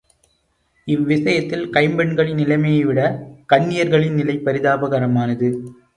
இவ்விஷயத்தில் கைம்பெண்களின் நிலைமையைவிட கன்னியர்களின் நிலை பரிதாபகரமானது.